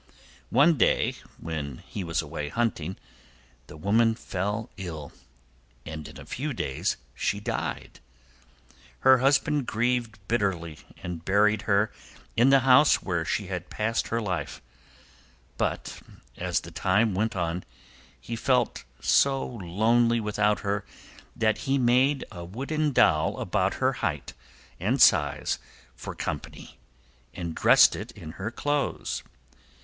One day, when he was away hunting, the woman fell ill, and in a few days she died. Her husband grieved bitterly and buried her in the house where she had passed her life; but as the time went on he felt so lonely without her that he made a wooden doll about her height amid size for company and dressed it in her clothes.